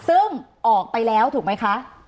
ซึ่งออกไปแล้วถูกไหมคะ